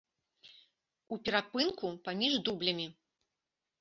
У перапынку паміж дублямі.